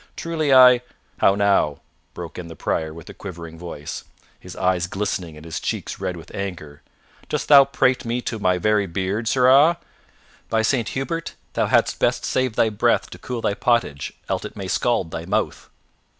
Truly, I " "How now," broke in the Prior in a quivering voice, his eyes glistening and his cheeks red with anger, "dost thou prate to my very beard, sirrah? By Saint Hubert, thou hadst best save thy breath to cool thy pottage, else it may scald thy mouth."